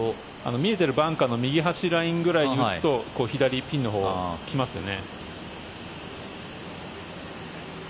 見えているバンカーの左端ぐらいに打つと左ピンのほう来ますよね。